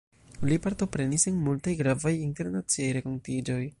Li partoprenis en multaj gravaj internaciaj renkontiĝoj.